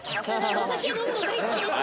お酒飲むの大好きです。